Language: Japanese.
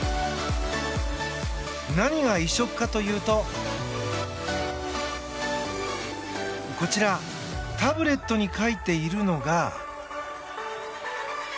何が異色かというとこちらタブレットに書いているのが。